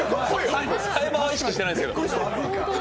冴羽は意識してないですけど。